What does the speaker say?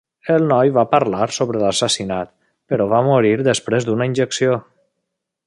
El noi va parlar sobre l'assassinat, però va morir després d'una injecció.